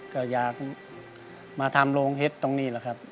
ก็อยากมาทำโรงเห็ดตรงนี้แหละครับ